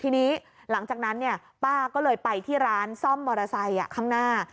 ทีนี้หลังจากนั้นป้าก็เลยไปที่ร้านซ่อมมอเตอร์ไซค์ข้างหน้า